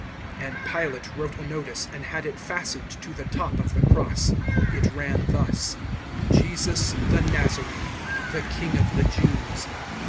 019:019 And Pilate wrote a notice and had it fastened to the top of the cross. It ran thus: JESUS THE NAZARENE, THE KING OF THE JEWS.